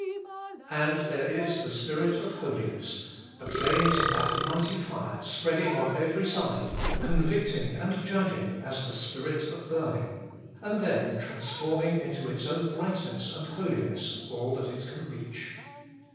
And there is the Spirit of Holiness, the flames of that mighty fire spreading on every side, convicting and judging as the Spirit of Burning, and then transforming into its own brightness and holi ness all that it can reach.